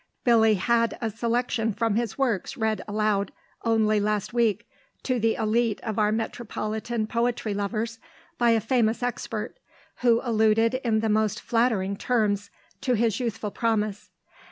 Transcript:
Billy had a selection from his works read aloud only last week to the élite of our metropolitan poetry lovers by a famous expert, who alluded in the most flattering terms to his youthful promise.